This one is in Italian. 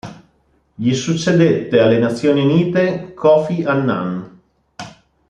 Gli succedette alle Nazioni Unite Kofi Annan.